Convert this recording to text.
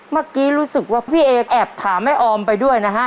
ตอนนี้รู้สึกว่าพี่เอกแอบถามให้ออมไปด้วยนะฮะ